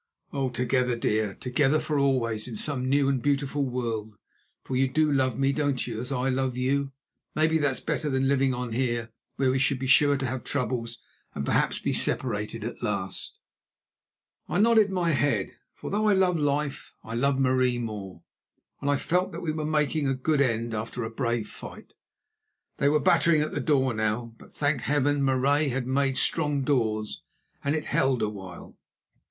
together, dear; together for always in some new and beautiful world, for you do love me, don't you, as I love you? Maybe that's better than living on here where we should be sure to have troubles and perhaps be separated at last." I nodded my head, for though I loved life, I loved Marie more, and I felt that we were making a good end after a brave fight. They were battering at the door now, but, thank Heaven, Marais had made strong doors, and it held a while.